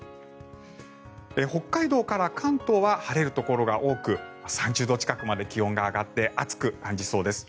北海道から関東は晴れるところが多く３０度近くまで気温が上がって暑く感じそうです。